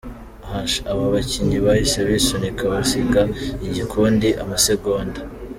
h': Aba bakinnyi bahise bisunika basiga igikundi amasegonda ".